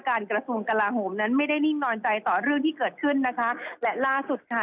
กระทรวงกลาโหมนั้นไม่ได้นิ่งนอนใจต่อเรื่องที่เกิดขึ้นนะคะและล่าสุดค่ะ